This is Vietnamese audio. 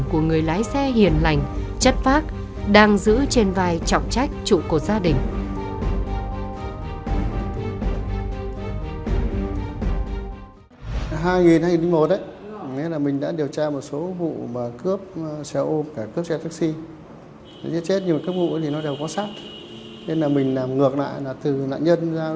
của người lái xe hiền lành chất phác đang giữ trên vai trọng trách trụ cột gia đình